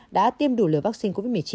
đã tiêm đủ lửa vaccine covid một mươi chín